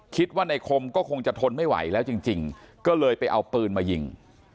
คิดว่าในคมก็คงจะทนไม่ไหวแล้วจริงก็เลยไปเอาปืนมายิง